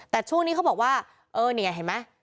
แต่ช่วงนี้เขาบอกว่าเออนี่ไงเห็นไหม